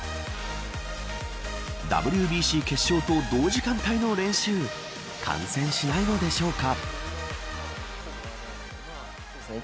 ＷＢＣ決勝と同時間帯の練習観戦しないのでしょうか。